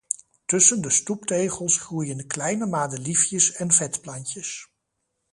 Tussen de stoeptegels groeien kleine madeliefjes en vetplantjes.